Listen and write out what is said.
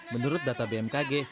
menurut data bmkg